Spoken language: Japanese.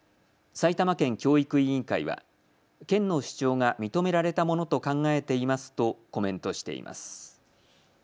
埼玉県教育委員会は県の主張が認められたものと考えていますとコメントしています。